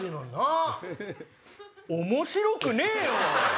面白くねえよ！